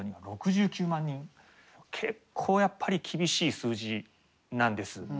結構やっぱり厳しい数字なんです。